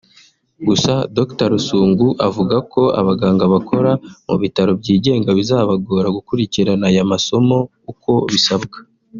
Gusa Dr Rusungu avuga ko abaganga bakora mu bitaro byigenga bizabagora gukurikiran aya masomo uko bisabwa